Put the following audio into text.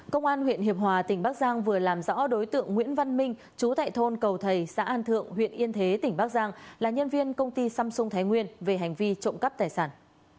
công an huyện hiệp hòa tỉnh bắc giang vừa làm rõ đối tượng nguyễn văn minh chú tại thôn cầu thầy xã an thượng huyện yên thế tỉnh bắc giang là nhân viên công ty samsung thái nguyên về hành vi trộm cắp tài sản